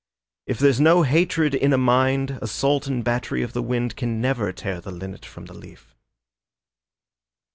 If there's no hatred in a mind Assault and battery of the wind Can never tear the linnet from the leaf.